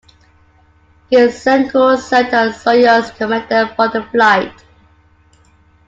Gidzenko served as the Soyuz commander for the flight.